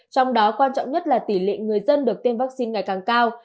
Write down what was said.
trong đó quan trọng nhất là tỷ lệ người dân được tiêm vaccine ngày càng cao